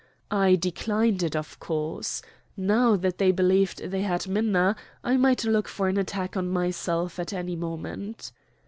I declined it, of course. Now that they believed they had Minna, I might look for an attack on myself at any moment.